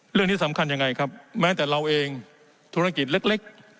เรื่องนี้สำคัญยังไงครับแม้แต่เราเองธุรกิจเล็ก